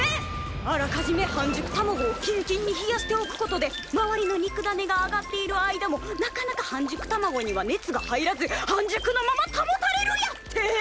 あらかじめ半熟卵をキンキンに冷やしておくことで周りの肉だねがあがっている間もなかなか半熟卵には熱が入らず半熟のまま保たれるやって？